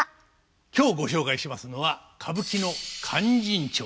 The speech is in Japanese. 今日ご紹介しますのは歌舞伎の「勧進帳」です。